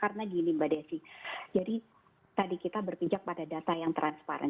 karena gini mbak desy jadi tadi kita berpijak pada data yang transparan